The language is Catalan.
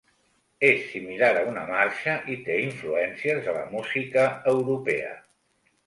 És similar a una marxa i té influències de la música europea.